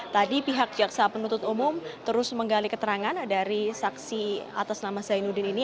tadi pihak jaksa penuntut umum terus menggali keterangan dari saksi atas nama zainuddin ini